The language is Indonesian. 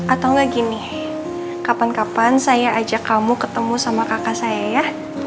atau enggak gini kapan kapan saya ajak kamu ketemu sama kakak saya ya